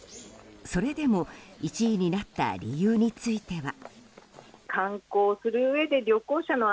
それでも１位になった理由については。